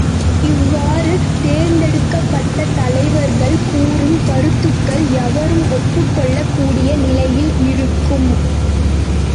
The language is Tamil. இவ்வாறு தேர்ந்தெடுக்கப்பட்ட தலைவர்கள் கூறும் கருத்துக்கள் எவரும் ஒப்புக் கொள்ளக் கூடிய நிலையில் இருக்கும்.